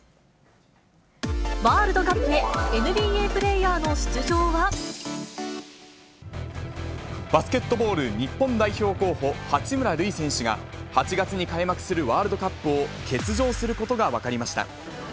ワールドカップへ、バスケットボール日本代表候補、八村塁選手が、８月に開幕するワールドカップを欠場することが分かりました。